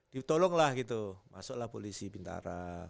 ditolonglah gitu masuklah polisi bintara